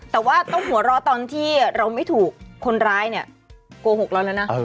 แต่ว่าต้องหัวเราะตอนที่เราไม่ถูกคนร้ายเนี่ยโกหกเราแล้วนะ